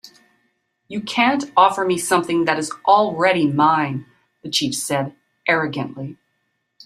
"You can't offer me something that is already mine," the chief said, arrogantly.